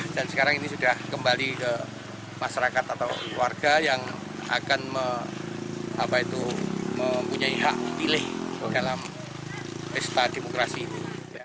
dan sekarang ini sudah kembali ke masyarakat atau warga yang akan mempunyai hak pilih dalam pesta demokrasi ini